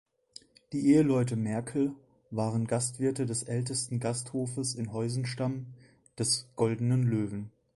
Die Eheleute Merkel waren Gastwirte des ältesten Gasthofes in Heusenstamm, des „Goldenen Löwen“.